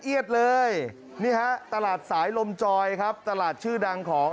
เอียดเลยนี่ฮะตลาดสายลมจอยครับตลาดชื่อดังของ